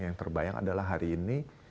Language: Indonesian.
yang terbayang adalah hari ini